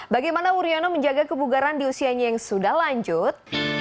bagaimana uryono menjaga kebugaran di usianya yang sudah lanjut